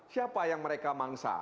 siapa yang mereka mangsa